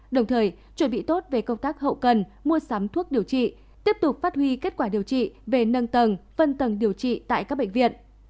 đồng thời chuẩn bị tốt về công tác hậu cần mua sắm thuốc điều trị tiếp tục phát huy kết quả điều trị về nâng tầng phân tầng điều trị tại các bệnh viện